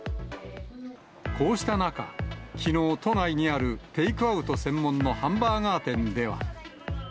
こうした中、きのう都内にあるテイクアウト専門のハンバーガー店では。